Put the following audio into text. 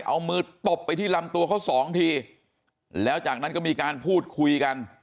เอามือตบไปที่ลำตัวเขาสองทีแล้วจากนั้นก็มีการพูดคุยกัน